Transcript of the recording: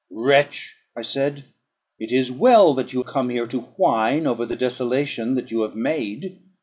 "Wretch!" I said, "it is well that you come here to whine over the desolation that you have made.